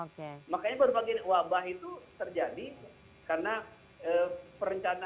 oke makanya berbagai wabah itu terjadi karena perencanaan dan pelaksanaan pembangunan kita tidak terkoordinasi dengan bapak